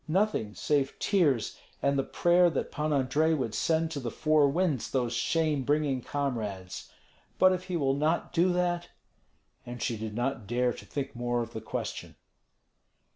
Nothing, save tears and the prayer that Pan Andrei would send to the four winds those shame bringing comrades. But if he will not do that And she did not dare to think more of the question.